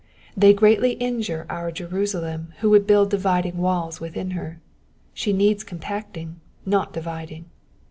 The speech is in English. They greatly injure our Jerusalem who would build dividing walls within her ; she needs compact ing, not dividing.